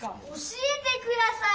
教えてください！